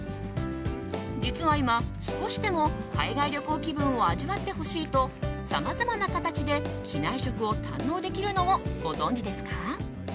実は今、少しでも海外旅行気分を味わってほしいとさまざまな形で機内食を堪能できるのをご存じですか？